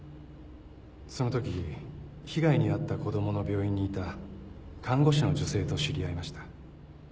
そのとき被害に遭った子供の病院にいた看護師の女性と知り合いました。